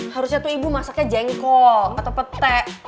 harusnya tuh ibu masaknya jengkol atau pete